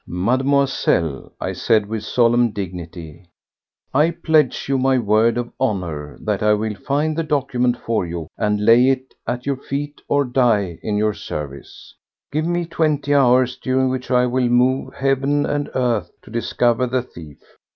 "Mademoiselle," I said with solemn dignity, "I pledge you my word of honour that I will find the document for you and lay it at your feet or die in your service. Give me twenty hours, during which I will move heaven and earth to discover the thief.